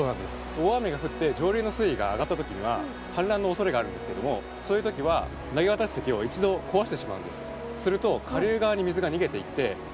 大雨が降って上流の水位が上がった時には氾濫の恐れがあるんですけどもそういう時は投渡堰を一度壊してしまうんです。